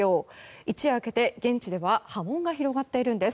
一夜明けて現地では波紋が広がっているんです。